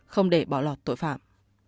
không để bỏ lọt tội phạm